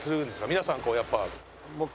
皆さんこうやっぱ。